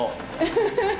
フフフ！